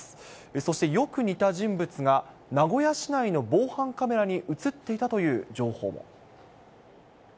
そしてよく似た人物が名古屋市内の防犯カメラに写っていたという情報も。